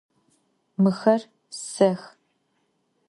Mıxer tsex.